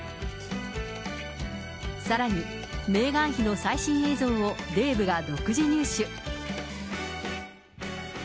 さらに、メーガン妃の最新映像をデーブが独自入手。